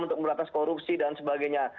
untuk meratas korupsi dan sebagainya